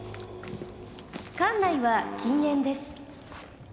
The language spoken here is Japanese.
館内は禁煙です。